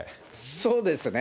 そうですね。